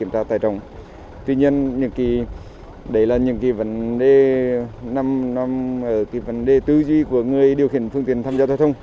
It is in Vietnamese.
tuy nhiên những vấn đề tư duy của người điều khiển phương tiện tham gia giao thông